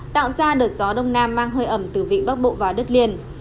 tạo ra đợt gió đông nam mang hơi ẩm từ vịnh bắc bộ vào đất liền